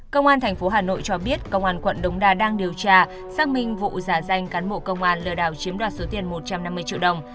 công an tp hà nội cho biết công an quận đống đa đang điều tra xác minh vụ giả danh cán bộ công an lừa đảo chiếm đoạt số tiền một trăm năm mươi triệu đồng